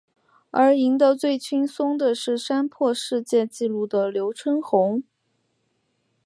而赢得最轻松的是三破世界纪录的刘春红。